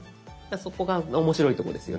そこが面白いとこですよね。